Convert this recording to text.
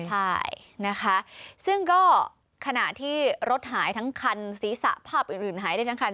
ใช่นะคะซึ่งก็ขณะที่รถหายทั้งคันศีรษะภาพอื่นหายได้ทั้งคัน